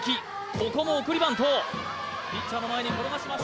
ここも送りバントピッチャーの前に転がしました